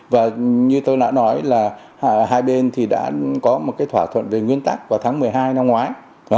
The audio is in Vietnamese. và như tôi đã nói là hai bên thì đã có một thỏa thuận về nguyên tắc vào tháng một mươi hai năm ngoái